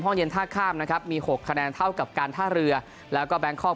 เย็นท่าข้ามนะครับมี๖คะแนนเท่ากับการท่าเรือแล้วก็แบงคอก